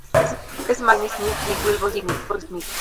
Es madre de Jaden Smith y Willow Smith.